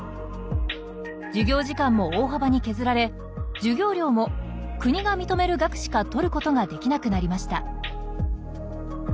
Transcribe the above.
授業時間も大幅に削られ授業料も国が認める額しか取ることができなくなりました。